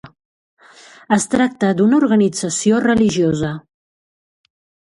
Es tracta d'una organització religiosa.